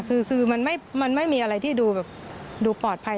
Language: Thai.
คือมันไม่มีอะไรที่ดูแบบดูปลอดภัย